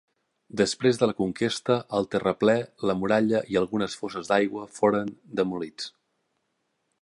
Després de la conquesta, el terraplè, la muralla i algunes foses d'aigua foren demolits.